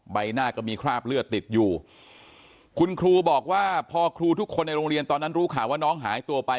ใบหน้าก็มีคราบเลือดติดอยู่คุณครูบอกว่าพอครูทุกคนในโรงเรียนตอนนั้นรู้ข่าวว่าน้องหายตัวไป